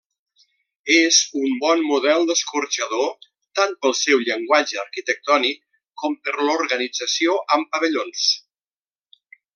És un bon model d'escorxador tant pel seu llenguatge arquitectònic com per l'organització amb pavellons.